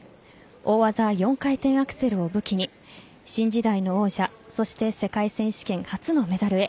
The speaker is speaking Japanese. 大技・４回転アクセルを武器に新時代の王者そして世界選手権初のメダルへ。